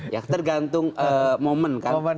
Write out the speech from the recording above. ya tergantung momen kan